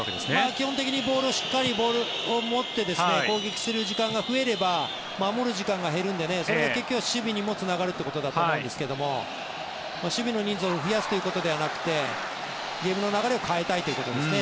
基本的にしっかりボールを持って攻撃する時間が増えれば守る時間が減るのでそれが結局、守備にもつながるということだと思うんですが守備の人数を増やすということではなくてゲームの流れを変えたいということですね。